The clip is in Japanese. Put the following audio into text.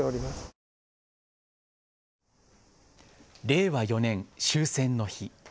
令和４年、終戦の日。